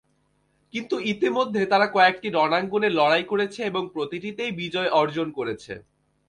কিন্তু ইতোমধ্যে তারা কয়েকটি রণাঙ্গনে লড়াই করেছে এবং প্রতিটিতেই বিজয় অর্জন করেছে।